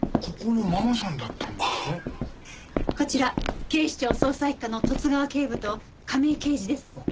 こちら警視庁捜査一課の十津川警部と亀井刑事です。